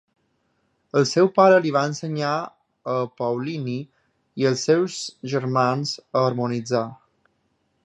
El seu pare li va ensenyar a Paulini i als seus germans a harmonitzar.